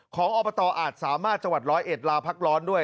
ของออาจสามารถจร้อยเอ็ดลาพักร้อนด้วย